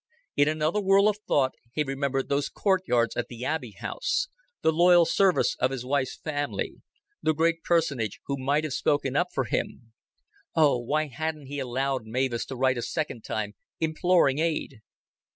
In another whirl of thought he remembered those courtyards at the Abbey House, the loyal service of his wife's family, the great personage who might have spoken up for him. Oh, why hadn't he allowed Mavis to write a second time imploring aid?